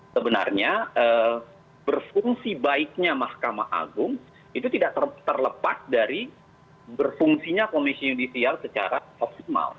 sebenarnya berfungsi baiknya mahkamah agung itu tidak terlepas dari berfungsinya komisi judisial secara optimal